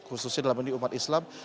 khususnya dalam ini umat islam